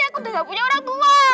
aku tuh gak punya orang tua